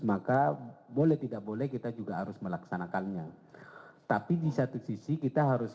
maka boleh tidak boleh kita juga harus melaksanakannya tapi di satu sisi kita harus